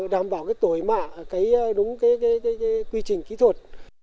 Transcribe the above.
đảm bảo tổi mạ cấy đúng quy trình kỹ thuật